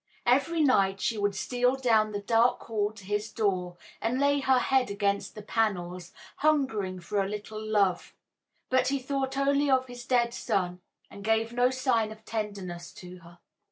Every night she would steal down the dark hall to his door, and lay her head against the panels, hungering for a little love; but he thought only of his dead son, and gave no sign of tenderness to her.